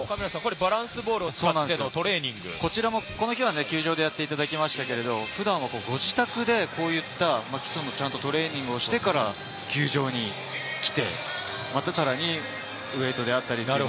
バランスボールを使ってのトレーニングを球場でやっていただきましたけれども、普段はご自宅でこういった基礎のちゃんとトレーニングをしてから球場に来て、またさらにウエイトであったり。